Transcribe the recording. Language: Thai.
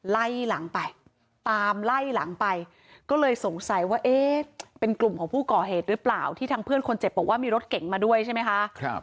ไล่หลังไปตามไล่หลังไปก็เลยสงสัยว่าเอ๊ะเป็นกลุ่มของผู้ก่อเหตุหรือเปล่าที่ทางเพื่อนคนเจ็บบอกว่ามีรถเก่งมาด้วยใช่ไหมคะ